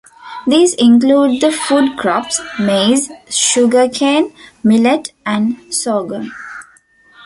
These include the food crops maize, sugar cane, millet, and sorghum.